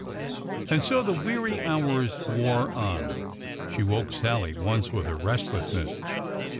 And so the weary hours wore on. She woke Sallie once with her restlessness.